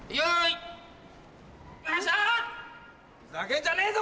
ふざけんじゃねえぞ